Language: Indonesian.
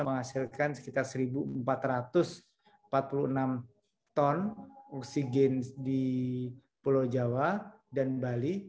menghasilkan sekitar satu empat ratus empat puluh enam ton oksigen di pulau jawa dan bali